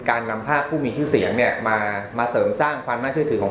นำภาพผู้มีชื่อเสียงเนี่ยมาเสริมสร้างความน่าเชื่อถือของ